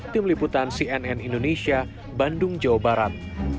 tim liputan cnn indonesia bandung jawa barat